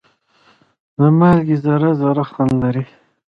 د مالګې ذره ذره خوند لري.